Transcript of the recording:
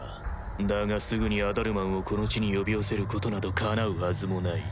だがすぐにアダルマンをこの地に呼び寄せることなどかなうはずもない